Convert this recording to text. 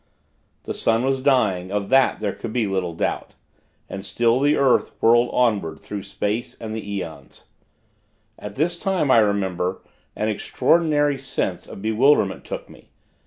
The sun was dying; of that there could be little doubt; and still the earth whirled onward, through space and all the aeons. At this time, I remember, an extraordinary sense of bewilderment took me.